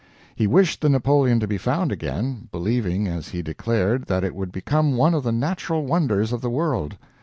He wished the Napoleon to be found again, believing, as he declared, that it would become one of the natural wonders of the world.